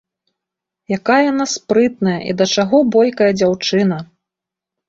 Якая яна спрытная і да чаго бойкая дзяўчына!